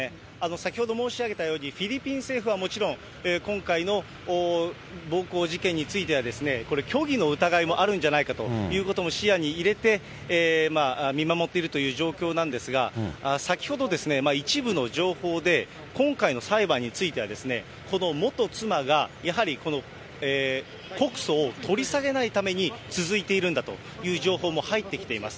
先ほど申し上げたように、フィリピン政府はもちろん、今回の暴行事件については、これ、虚偽の疑いもあるんじゃないかということも視野に入れて、見守っているという状況なんですが、先ほど、一部の情報で、今回の裁判については、この元妻が、やはりこの告訴を取り下げないために、続いているんだという情報も入ってきています。